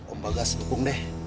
om bagas dukung deh